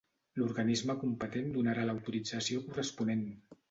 L'organisme competent donarà l'autorització corresponent.